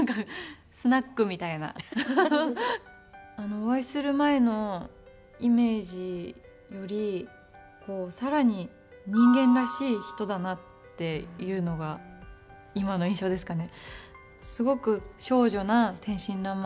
お会いする前のイメージよりさらにっていうのが今の印象ですかね。